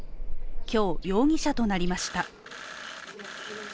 今日、容疑者となりました。